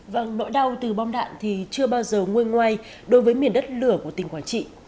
và nỗi đau từ bom đạn thì chưa bao giờ nguyên ngoay đối với miền đất lửa của tỉnh quảng trị